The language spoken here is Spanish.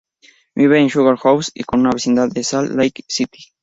Vive en Sugar House, una vecindad de Salt Lake City.